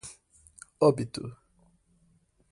óbito